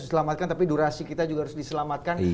diselamatkan tapi durasi kita juga harus diselamatkan